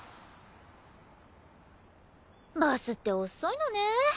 バスって遅いのね。